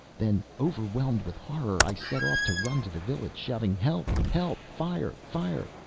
Then, overwhelmed with horror, I set off to run to the village, shouting: "Help! help! fire! fire!"